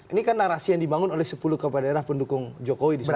ini kan narasi yang dibangun oleh sepuluh kepala daerah pendukung jokowi di sana